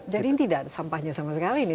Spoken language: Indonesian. jadi ini tidak sampahnya sama sekali